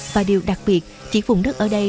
và điều đặc biệt chỉ vùng đất ở đây